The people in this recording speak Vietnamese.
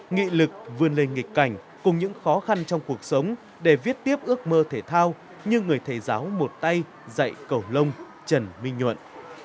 nghị lực vươn lên nghịch cảnh cùng những khó khăn trong cuộc sống để viết tiếp ước mơ thể thao như người thầy giáo một tay dạy cẩu lông trần minh nhuận